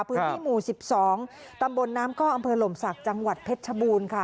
พื้นที่หมู่๑๒ตำบลน้ำก้ออำเภอหล่มศักดิ์จังหวัดเพชรชบูรณ์ค่ะ